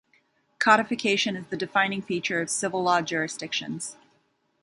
Codification is the defining feature of civil law jurisdictions.